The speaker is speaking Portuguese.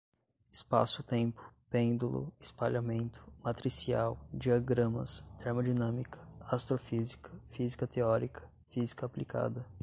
espaço-tempo, pêndulo, espalhamento, matricial, diagramas, termodinâmica, astrofísica, física teórica, física aplicada